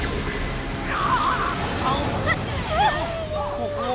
ここは？